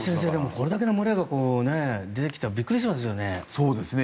これだけの群れが出てきたらびっくりしますよね。